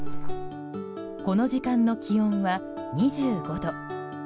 この時間の気温は２５度。